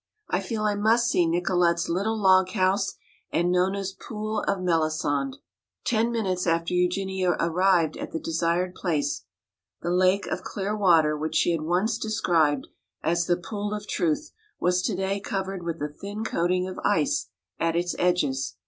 I feel I must see Nicolete's little log house and Nona's 'Pool of Melisande.'" Ten minutes after Eugenia arrived at the desired place. The lake of clear water which she had once described as the "pool of truth" was today covered with a thin coating of ice at its edges.